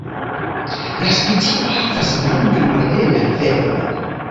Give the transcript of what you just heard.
La specio havas brunan malhelan felon.